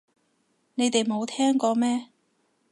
你哋冇聽過咩